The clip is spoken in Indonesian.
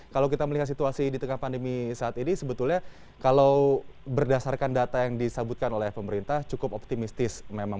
kalau kita melihat situasi di tengah pandemi saat ini sebetulnya kalau berdasarkan data yang disabutkan oleh pemerintah cukup optimistis memang